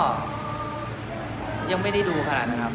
ก็ยังไม่ได้ดูขนาดนั้นครับ